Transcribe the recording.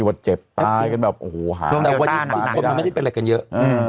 แต่ทุกคนมันไม่ได้จะเป็นอะไรกันเยอะ